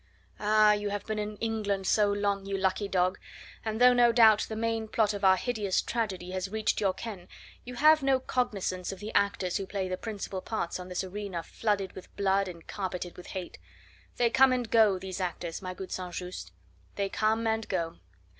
"Ah! you have been in England so long, you lucky dog, and though no doubt the main plot of our hideous tragedy has reached your ken, you have no cognisance of the actors who play the principal parts on this arena flooded with blood and carpeted with hate. They come and go, these actors, my good St. Just they come and go.